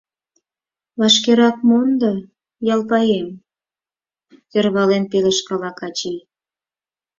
— Вашкерак мондо, Ялпаем, — сӧрвален пелешткала Качий.